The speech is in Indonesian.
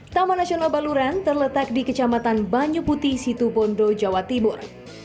taman nasional baluran terletak di kecamatan banyu putih situ bondo jawa timur